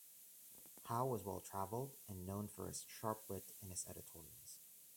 Howe was well traveled and known for his sharp wit in his editorials.